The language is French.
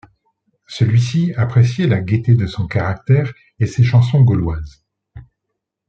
Celui-ci appréciait la gaieté de son caractère et ses chansons gauloises.